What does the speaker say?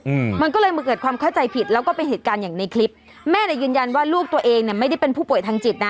อืมมันก็เลยมาเกิดความเข้าใจผิดแล้วก็เป็นเหตุการณ์อย่างในคลิปแม่เนี้ยยืนยันว่าลูกตัวเองเนี้ยไม่ได้เป็นผู้ป่วยทางจิตนะ